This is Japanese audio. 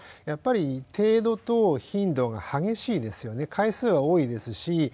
やっぱり程度と頻度が激しいですよね回数は多いですし。